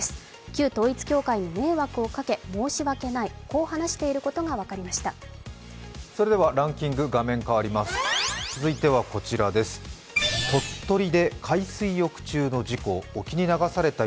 旧統一教会に迷惑をかけ申し訳ない、こう話していることが分かりました。